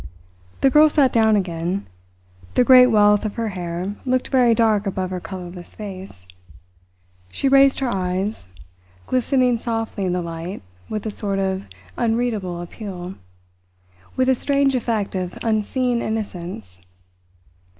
The girl sat down again. The great wealth of her hair looked very dark above her colourless face. She raised her eyes, glistening softly in the light with a sort of unreadable appeal, with a strange effect of unseeing innocence.